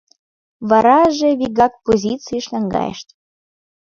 Вараже вигак позицийыш наҥгайышт.